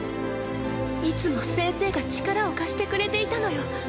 いつも先生が力を貸してくれていたのよ